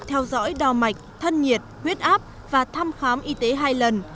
theo dõi đo mạch thân nhiệt huyết áp và thăm khám y tế hai lần